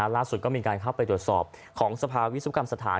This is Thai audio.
ล่าสุดก็มีการเข้าไปตรวจสอบของสภาวิศวกรรมสถาน